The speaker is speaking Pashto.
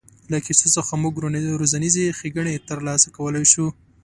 له کیسو څخه موږ روزنیزې ښېګڼې تر لاسه کولای شو.